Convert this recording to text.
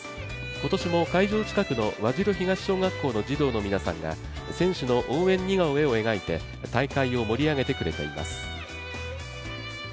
今年も会場近くの和白東小学校の児童の皆さんが、選手の応援似顔絵を描いて大会を盛り上げてくれています。